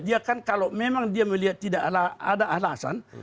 dia kan kalau memang dia melihat tidak ada alasan